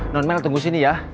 non mel tunggu sini ya